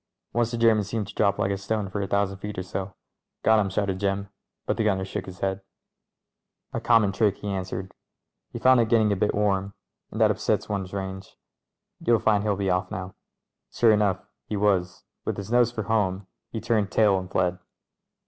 Once the German seemed to drop like a stone for a thousand feet or so. "Got him !" shouted Jim — but the gunner shook his head. 290 MEN, WOMEN AND GUNS A common trick," he answered. "He found it get ting a bit warm, and that upsets one's range. Vou'II find he'll be off now." Sure enough he was — with his nose for home he turned tail and fled.